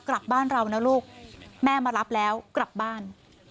กลับบ้านเรานะลูกแม่มารับแล้วกลับบ้าน